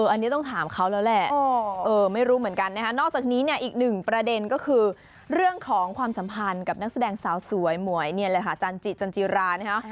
อันนี้ต้องถามเขาแล้วแหละไม่รู้เหมือนกันนะคะนอกจากนี้เนี่ยอีกหนึ่งประเด็นก็คือเรื่องของความสัมพันธ์กับนักแสดงสาวสวยหมวยเนี่ยแหละค่ะจันจิจันจิรานะฮะ